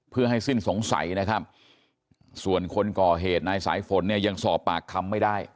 เพื่อให้สิ้นสงสัยนะครับส่วนคนก่อเหตุนายสายฝนเนี่ยยังสอบปากคำไม่ได้